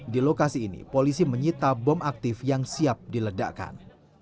di lokasi ini polisi menyita bom aktif yang siap diledakkan